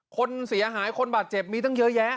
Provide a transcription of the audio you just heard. คนเสียหายคนบาดเจ็บมีตั้งเยอะแยะ